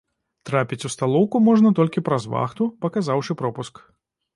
Трапіць у сталоўку можна толькі праз вахту, паказаўшы пропуск.